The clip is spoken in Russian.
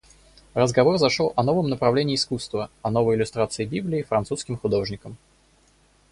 Разговор зашел о новом направлении искусства, о новой иллюстрации Библии французским художником.